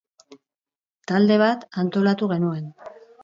Talde bat antolatu genuen.